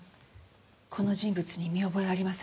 この人物に見覚えありませんか？